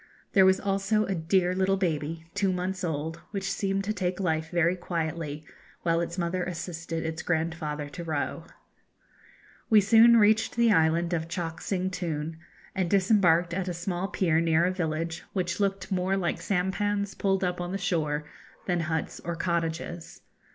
There was also a dear little baby, two months old, which seemed to take life very quietly, while its mother assisted its grandfather to row. We soon reached the island of Chock Sing Toon, and disembarked at a small pier near a village, which looked more like sampans pulled up on the shore than huts or cottages.